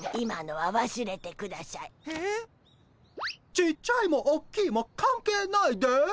ちっちゃいもおっきいも関係ないです。